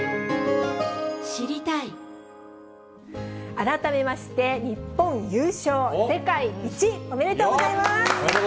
改めまして日本優勝、世界一、おめでとうございます。